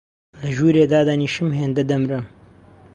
لە ژوورێ دادەنیشم هێندە، دەمرم